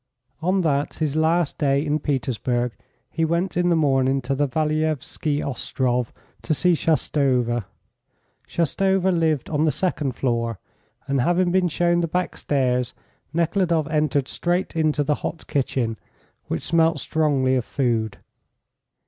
On that, his last day in Petersburg, he went in the morning to the Vasilievski Ostrov to see Shoustova. Shoustova lived on the second floor, and having been shown the back stairs, Nekhludoff entered straight into the hot kitchen, which smelt strongly of food.